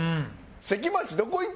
関町どこ行ってん？